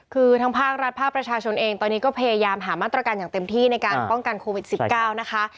คือทั้งภาครัฐภาคประชาชนเองตอนนี้ก็พยายามหามาตรการอย่างเต็มที่ในการป้องกันโควิด๑๙นะคะ